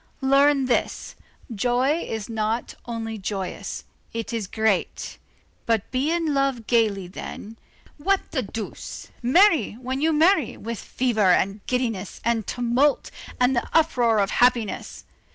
Learn this: joy is not only joyous; it is great. But be in love gayly then, what the deuce! marry, when you marry, with fever and giddiness, and tumult, and the uproar of happiness!